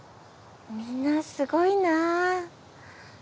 みんなすごいな。